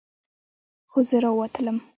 خو زه راووتلم.